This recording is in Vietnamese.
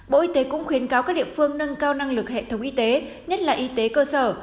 bộ y tế cũng khuyến cáo các địa phương nâng cao năng lực hệ thống y tế nhất là y tế cơ sở